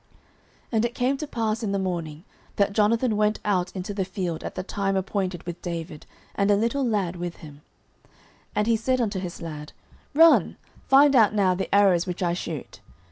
09:020:035 And it came to pass in the morning, that Jonathan went out into the field at the time appointed with David, and a little lad with him. 09:020:036 And he said unto his lad, Run, find out now the arrows which I shoot.